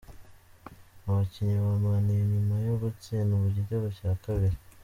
Abakinnyi ba Man U nyuma yo gutsindwa igitego cya kabili.